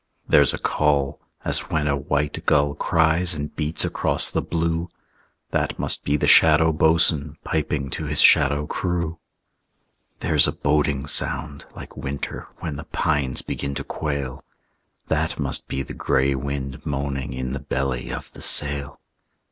There's a call, as when a white gull Cries and beats across the blue; That must be the Shadow Boatswain Piping to his shadow crew. There's a boding sound, like winter When the pines begin to quail; That must be the gray wind moaning In the belly of the sail.